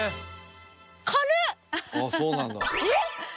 えっ！？